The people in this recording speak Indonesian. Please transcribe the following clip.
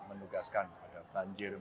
menugaskan ada banjir